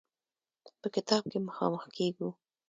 په کتاب کې مخامخ کېږو.